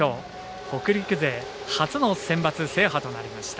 北陸勢初のセンバツ制覇となりました。